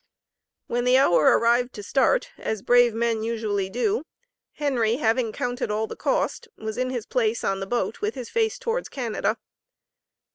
When the hour arrived to start, as brave men usually do, Henry, having counted all the cost, was in his place on the boat with his face towards Canada.